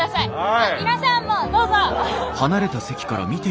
あっ皆さんもどうぞ。